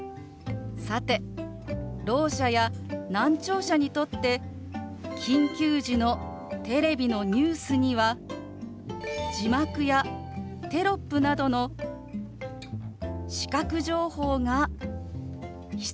さてろう者や難聴者にとって緊急時のテレビのニュースには字幕やテロップなどの視覚情報が必要不可欠です。